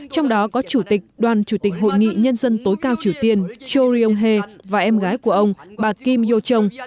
trong đó có chủ tịch đoàn chủ tịch hội nghị nhân dân tối cao triều tiên cho ryong hae và em gái của ông bà kim yo jong